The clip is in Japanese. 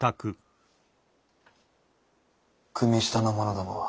組下の者どもは？